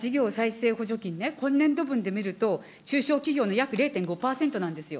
今言われた例えば、事業再生補助金ね、今年度分で見ると、中小企業の約０．５％なんですよ。